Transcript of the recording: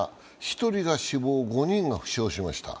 １人が死亡、５人が負傷しました。